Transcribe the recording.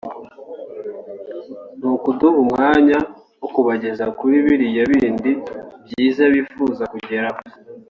ni ukuduha umwanya wo kubageza kuri biriya bindi byiza twifuza kugeraho